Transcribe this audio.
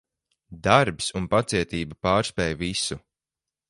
Darbs un pacietība pārspēj visu.